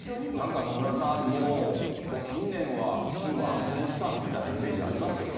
なんか野村さん、もうここ近年は、金は安全資産みたいなイメージありますよね。